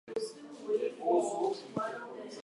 He released "Twelve Tones of Love" on "Joyous Shout!